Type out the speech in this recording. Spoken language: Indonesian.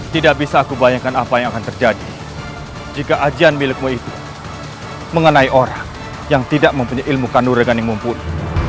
tidak bisa aku bayangkan apa yang akan terjadi jika ajian milikmu itu mengenai orang yang tidak mempunyai ilmu kanur regan yang mumpuni